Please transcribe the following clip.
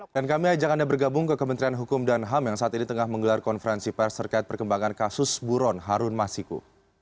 dan kami ajak anda bergabung ke kementerian hukum dan ham yang saat ini tengah menggelar konferensi perserket perkembangan kasus buron harun masiku